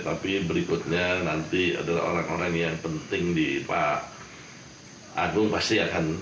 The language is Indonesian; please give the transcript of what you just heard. tapi berikutnya nanti adalah orang orang yang penting di pak agung pasti akan